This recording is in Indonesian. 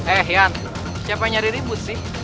eh yan siapa yang nyari ribut sih